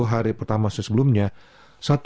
hari pertama saya sebelumnya